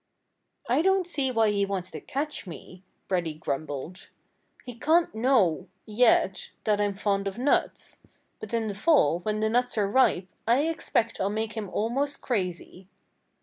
"I don't see why he wants to catch me," Reddy grumbled. "He can't know—yet—that I'm fond of nuts. But in the fall, when the nuts are ripe, I expect I'll make him almost crazy."